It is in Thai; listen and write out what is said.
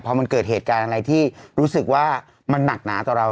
พอมันเกิดเหตุการณ์อะไรที่รู้สึกว่ามันหนักหนาต่อเรา